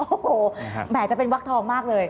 โอ้โหแหมจะเป็นวักทองมากเลย